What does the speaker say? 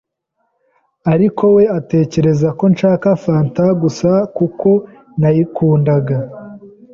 ariko we atekereza ko nshaka fanta gusa kuko nayikundaga.